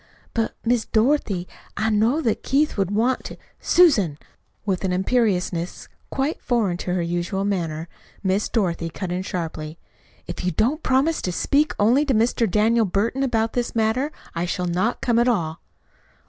"But, Miss Dorothy, I know that Keith would want " "Susan!" With an imperiousness quite foreign to her usual manner, Miss Dorothy cut in sharply. "If you don't promise to speak only to Mr. Daniel Burton about this matter I shall not come at all."